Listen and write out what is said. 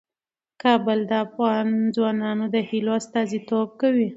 کابل د افغان ځوانانو د هیلو استازیتوب کوي.